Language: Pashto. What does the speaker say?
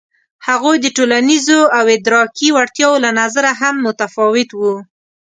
هغوی د ټولنیزو او ادراکي وړتیاوو له نظره هم متفاوت وو.